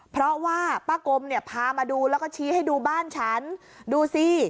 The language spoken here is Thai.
เพราะว่าป้ากลมเนี่ยพามาดูแล้วก็ชี้ให้ดูบ้านฉันดูสิ